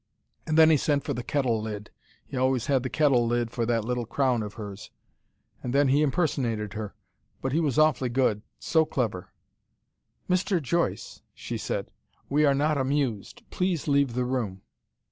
And then he sent for the kettle lid. He always had the kettle lid, for that little crown of hers. And then he impersonated her. But he was awfully good so clever. 'Mr. Joyce,' she said. 'We are not amused. Please leave the room.'